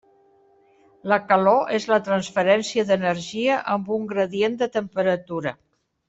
La calor és la transferència d'energia amb un gradient de temperatura.